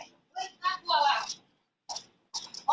น่ากลัวอ่ะ